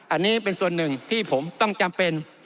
อันนี้เป็นส่วนหนึ่งที่ผมต้องจำเป็น